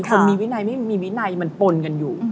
คนมีวินัยไม่มีวินัยมันปนกันอยู่